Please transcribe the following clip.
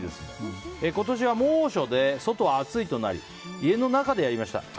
今年は猛暑で外は暑いとなり家の中でやりました。